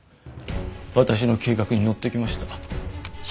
私の計画に乗ってきました。